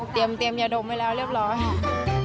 เตรียมยาดมไว้แล้วเรียบร้อยค่ะ